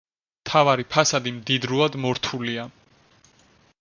მთავარი ფასადი მდიდრულად მორთულია.